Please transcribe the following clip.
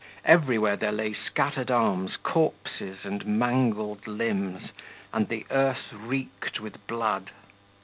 Everywhere there lay scattered arms, corpses, and mangled limbs, and the earth reeked with blood.